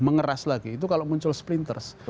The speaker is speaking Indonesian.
mengeras lagi itu kalau muncul sprinters